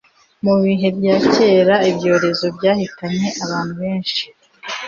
Mu bihe bya kera ibyorezo byahitanye abantu benshi